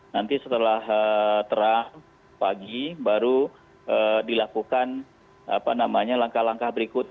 nanti setelah terang pagi baru dilakukan langkah langkah berikut